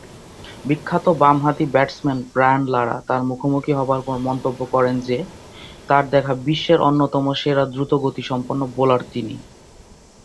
বিখ্যাত বামহাতি batsman Brian Lara তার মুখোমুখি হবার পর মন্তব্য করেন যে, তার দেখা বিশ্বের অন্যতম সেরা দ্রুতগতিসম্পন্ন বোলার তিনি।